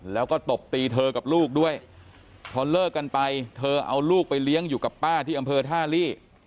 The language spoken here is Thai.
แล้วก็ตบตีเธอกับลูกด้วยพอเลิกกันไปเธอเอาลูกไปเลี้ยงอยู่กับป้าที่อำเภอท่าลี่